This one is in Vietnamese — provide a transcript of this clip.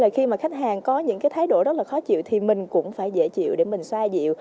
khi mà khách hàng có những cái thái độ rất là khó chịu thì mình cũng phải dễ chịu để mình xoa dịu